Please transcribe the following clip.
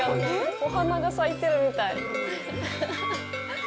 お花が咲いてるみたい。